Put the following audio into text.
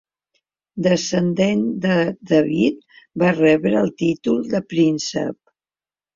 Descendent de David, va rebre el títol de príncep.